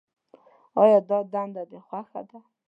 آیا دا دنده دې خوښه ده.